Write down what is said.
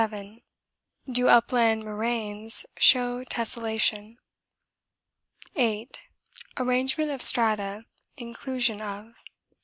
Do upland moraines show tesselation? 8. Arrangement of strata, inclusion of.